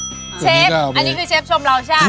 เชฟอันนี้คือเชฟชมเราใช่ไหม